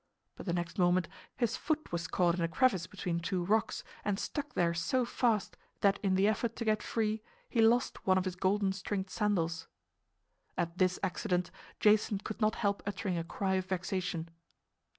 But the next moment his foot was caught in a crevice between two rocks and stuck there so fast that in the effort to get free he lost one of his golden stringed sandals. At this accident Jason could not help uttering a cry of vexation.